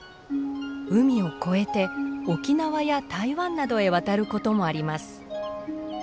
海を越えて沖縄や台湾などへ渡ることもあります。